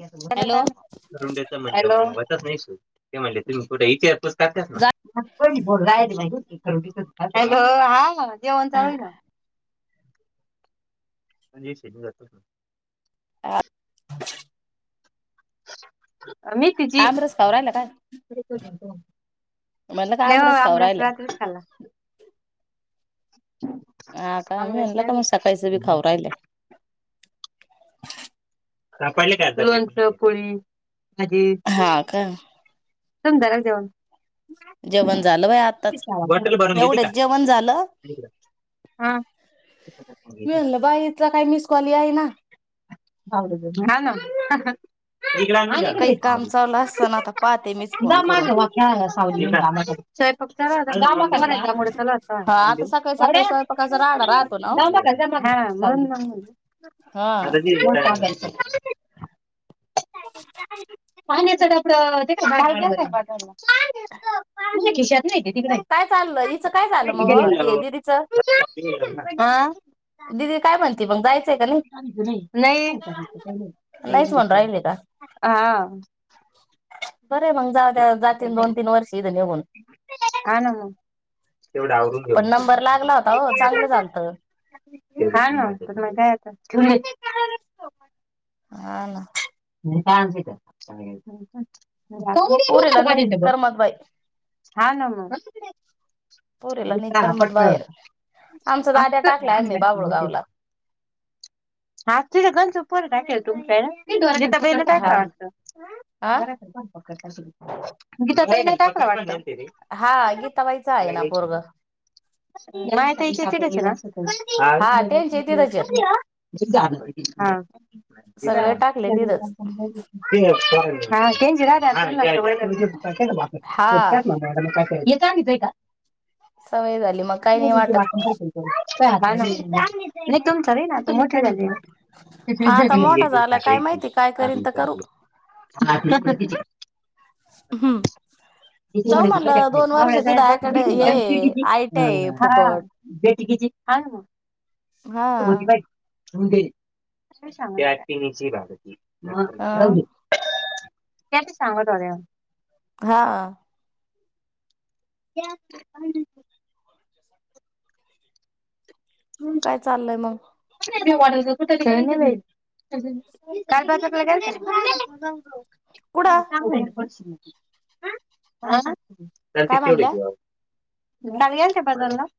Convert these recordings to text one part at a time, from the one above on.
Hello. ते म्हणले तु्ही कुठे इति यापस द्या त्यांना जा हॅलो हां बोला. जेवण चालू ए ना म्हणजे शेता जातय तू. आ. हा हा. आमरस खाऊ राहिला काय म्हणलं का नाही आमरस बाबा खाऊ राहिलाय रात्रीच खाल्ला हा का मी आमरस म्हणल का नाही मग सकाळच बी खाऊ राहिलाय. सापडले का लोणचं पोळी. हा [unintelligible] का सुंदर हाय जेवण जेवण झालं बाय आताच बॉटल भरून घेते का एवढेच जेवण झालं, हा. मी इकडे म्हणल बाई हिचा काय मिस कॉ कॉल याईना. हा ना हा हा. काही काम चालू असताना आता पाहते मीच फोन करून हा आता सकाळी सकाळी स्वयंपाकाचा राडा राहतो ना ओ. हा [unintelligible] पाण्याच डबड ते काय हाय ना कपाटात ह [inaudible] पांढऱ्या खिशात काय चाललय हीचं काय झालं, मग अ ते दिलं, दिदीच दिलं ना. हा दिदी काय म्हणते? ती पण बाहेर नाहीच हा म्हणून राहिले का आ. बरे मग जात्याल जातीन दोन तीन वर्षी [unintelligible] बोल. ह हं मग तेवढ आवरून घे नंबर लागला होता हो चांगलं झालतं म्हटल हाय ना मजा हाय आता हा ना पा पुरीला [unintelligible] नाही पाणी नगो करमत बाई हा ना म. पुरीला उठ नाही ना करमत पटकन बाहेर [unintelligible] आमचा दाद्या टाकलाय काय आम्ही नाही बाबुळगावला तुमच्या कड त्या बाईला काय हा काय वाटतं. हा गीता ताई नाहीत. कावा हा गीता बाईचं आहे ना पोरग नाहीता इच्या टच ना हा ह स त्यांचे तिथंच आहेत ना सगळे टाकले तिथंच हा हा सांगितय का सवय झाली मग काही नाही ा वाटत तुमच [unintelligible] ह हा आता मोठा झाला काय र माहिती काय करीन तर करू आपली [inaudible] हम्म जाऊ ेट बेट म्हणलं दोन वर्ष तिथं आकडे हे आयटी आहे फुकट [unintelligible] हा ना हा पिणीची बाग होती हा अ ह कती सांगत हो्या हा [inaudible] काय चाललय मग [unintelligible] का हा कुठं त्या [unintelligible] [unintelligible] काय म्हणल्या बदल ना.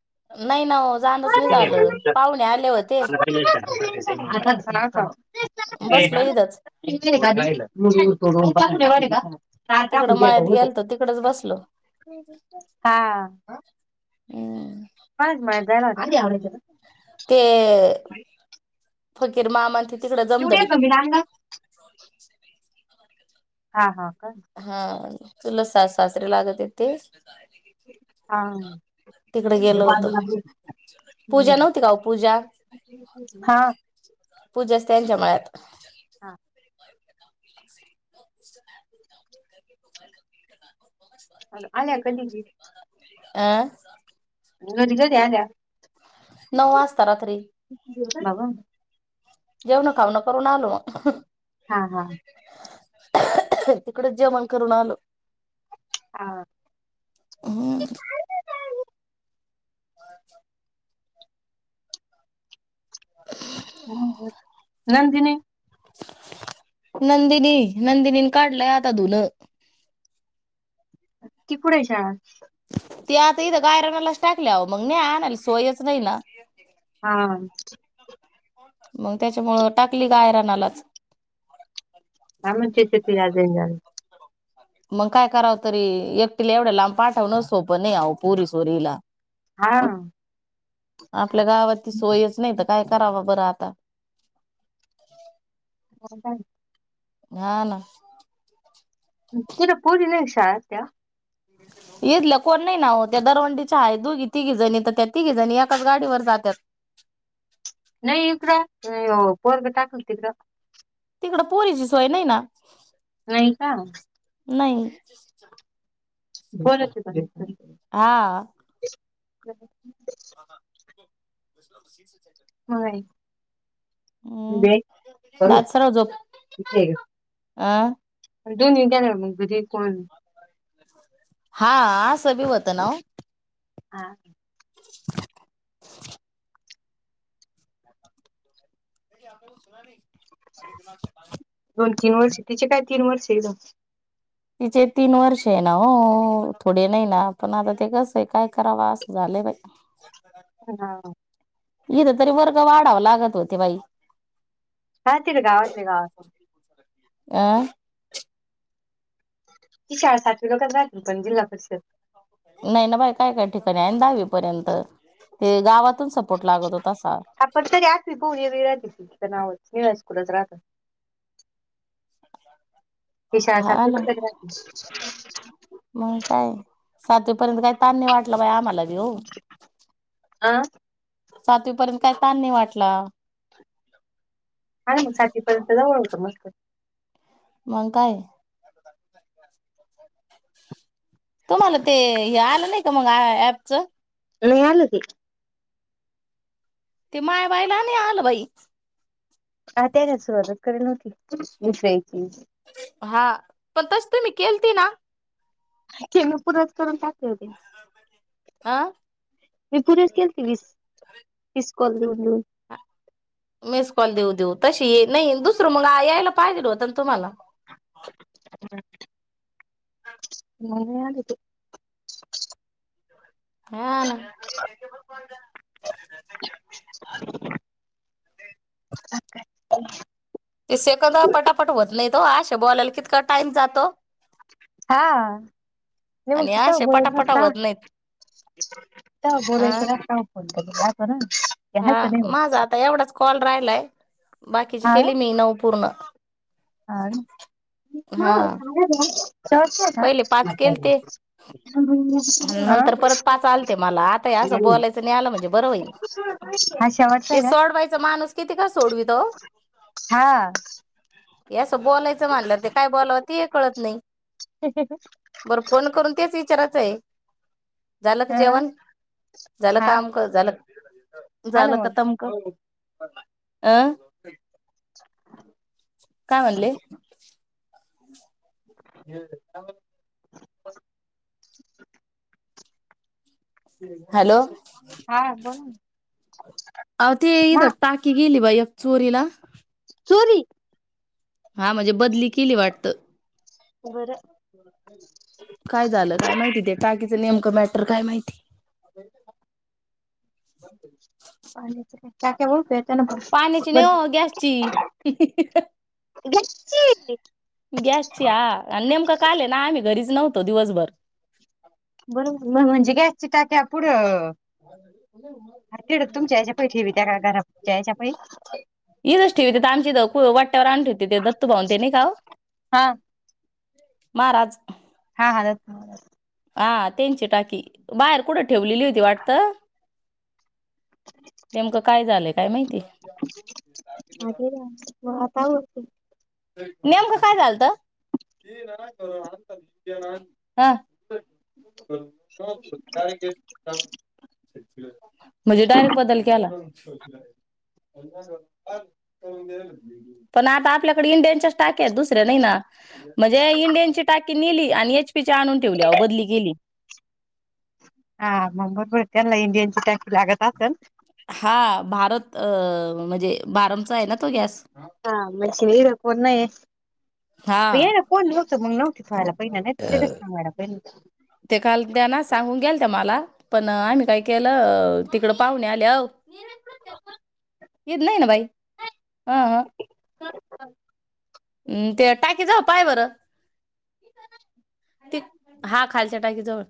नाही ना ओ जाणच नाही झालं पाहुणे आले होते. [unintelligible] [unintelligible] बस लहिदाचं. [unintelligible] का तिकडं मळ्यात गेलतो तिकडच का बसलो [unintelligible] हा हम्म. काय आज मळ्यात? [unintelligible] ते फकीर मामन ते तिकड एवढ्या जमदडीत [inaudible] कमी लागला हा, हा. का हा तुलास स सासरे लागतेत ते. हा तिकडे गेल होतो बाजूला आपली पूजा नव्हती का पूजा हा पूजा असते त्यांच्या मात हा. [unintelligible] ह आल्या कधी घी आं घरी कधी आल्या. नऊ वाजता रात्री. बघु जेवण खाऊण करून आलो. हा, हा. तिकडेच जेवण करून आलो. हा हम्म. [inaudible] नंदिनी नंदिनी नंदिनीने काढलंय आता धुन. की कुठं आहे शळा? ती आता इथं गायरनालाच टाकल्यावं मग नाही आणाला सोयच नाही ना. हा. मग त्याच्यामुळं टाकली का आयरानालाच? का म्हचे ते. जणार [unintelligible] मग काय करावं तरी, एकटीला एवढ्या लांब पाठवण सोपं नाही आ ओ पुरी चोरीला. हा आपल्या गावात त सोयच नाही तर काय कराव बरं आ ता. का? हा ना. कुठ पोरी ला शाळा असत्या. येेतलं कोण नाही ना हो त्या दरवंडीच्या आहे दोघी तिघी जणी तर त्या तिघी जणी एकाच गाडीवर जात्यात. नाही इकड यो. पोरग टाकलतीत ग. तिकडं पोरीची सोय नाही ना. नाही का. च् [inaudible] बोलाचील काहीतरी [unintelligible] नाही. ह हा तू ब [unintelligible] थँक्यू. हम्म. दे करू इथे ये ग. आ दोनी गेल्या मग घरी कोण. हा आस बी होत ना ओ. हा. [inaudible] [inaudible] युनिव्हर्सिटीचे काय तीन वर्ष एकदम. तिचे तीन वर्ष आहे, ना हो थोडे नाही ना पण आता ते कसं आहे, काय कराव असं झालंय बा. इथ तरी वर्ग वाढाव लागत होते बाई. घालतील गावातले गावात. आ ती शाळा सातवी लोकच [unintelligible] राहतील पण जिल्हा परिषद. नाही ना बाई, काय काय ठिकाणी आहे, ना दहावीपर्यंत ते गावात. आपण तरी आवी बऊ विराजीची तर नावच नि [unintelligible] कुठच राहतात. हा विषयासाठी ना [unintelligible] सातवीपर्यंत काय तन वाटलं बाई आम्हाला बी. बयो. हा सातवीपर्यंत काय ताण नाही वाटला. आणि मग सातीपर्यंत जवळ होतं मस्त [unintelligible] मग काय. तुम्हाला ते हे आलं नाही का मग ऍपच. नाही आल की. ते मायाबाईला नाही आलं बाई. हा त्याच्यात सुरुवातात करे नव्हती दसराची. हा पण तस तुम्ही केलती ना. ते मी पुरत करून दाखवते. अ मी पुरत केलते विस तिसकॉल दोन दोन. मिसकॉल देऊ देऊ तशी नाही दुसरं मग. हा यायला पाहिजे होता तुम्हाला. मनयालेत हा ना. अ का ते सेकंद पटापट होत नाही तो असशा बोलायला कितका टाइम जातो. हा म मग आणि ति त अशे पटापटा बोलायलाता होत नाहीत बोलायच अं राता फो हा माझा आता एवढाच कॉल राहिलाय बाकीची हा केली मी नऊ पूर्ण. हा [unintelligible] पहिले पाच केलते शवटतय का नंतर परत पाच आलते मला आता हे ह असं बोलायचं नाही आलं म्हणजे बरं होईल हा ते शेवटतय सोडवायचं माणूस किती सोडवीत ओ का हा. येस. बोलायचं म्हणल्या ते काय बोलावं ते हे कळत नाही. बरं फोन करून तेच विचारा. आहे. झालं क अं? जेवण झालं हा काम कर झालं? हा ना तूझलं मग खतम कर. आं. ह. काय म्हणले. [inaudible] ह. हॅलो हा बोला ना. अ तेथ ना टाकी गेली भय. चोरीला. चोरी. हा म्हणजे बदली केली वाटत. [inaudible] काय झालं काय माहिती ते टाकीचं नेमकं म तर काय माहिती. का मोल [inaudible] पाण्याची ने हो गॅसची गॅसची हा आणि नेमक काल ना आम्ही घरीच नव्हत. तो दिवसभर. बरो म्हणजे कायचे टाक पुढं. तिकडं तुमच्या याच्या पै ठेवी त्या का घराच्या याच्या पै य ठि तथ आमची वाट. वर आण ठवते ते दत्तू भाऊूनते नाही का? हा महाराज. हा हा [unintelligible] हा त्यांची टाकी बाहेर कुठं ठेवलेली हुती वाटतं. नेमकं काय झालंय काय माहिती. [inaudible] नेमकं काय झालंतं? हा. म्हणजे डायरेक्ट बदल केला. पण आता आपल्यात थोडे इंडियनच्याच टाक्या हायत, दुसऱ्या नाही ना. म्हणजे इंडियनची टाकी नेली आणि एच पीची आणून ठेवल्या व बदली केली. हा म मग त्यांना इंडियनची टाकी लागत असल हा भारत अ म्हजे हा म्हजे हे रेकॉर्ड नाहीये. ये हा ना कोण [unintelligible] ते व्हायला पाहिजे, नाहीतर सांगायला पाहिजे. ह [inaudible] ते काल त्यांना सांगून गेलता मला. पण आम्ही काय केलं, तिकड पाहुणे आल्याव हे नाही ना बाई. हा हा. हम्म ते टाकी जा पाय बरं, ते हा खालच्या. टाकीजवळ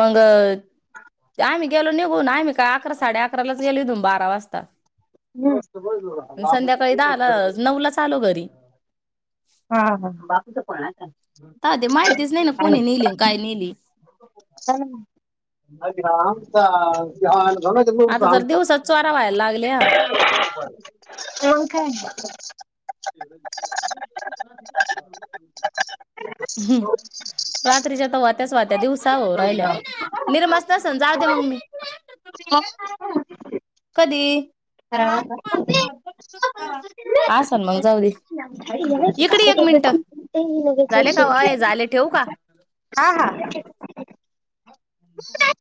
मग आम्ही गेलो निघून. आम्ही काय अकरा साडे अकराच गेलो इथून बारा वाजता. [inaudible] नऊ लाच आलो. घरी. हा हा बापूचा फोन आलता काय ते माहितीच नाही ना, कुणी नेली आणि काय नेली? [unintelligible] आता जर दिवसात चोरा व्हायला लागल्या हो काय? एवढा दिसून आला. हम्म रात्रीच्या आता वात्याच वात्या, दिवसाव राहिल्या. निरमाच तसं जाऊ दे म कधी? ह हा असन मग जाऊ दे इकडे एक मिनिट झाले का अय झाले ठेवू का [unintelligible] हा हा.